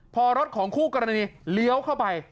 พอรถของคู่กรณีเลี้ยวเข้าไป